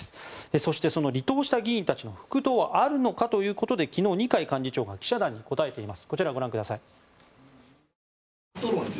そして、その離党した議員たちの復党はあるのかということで昨日、二階幹事長が記者団に答えています。